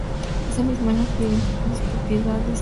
Ese mismo año adquirió importantes propiedades en La Calera.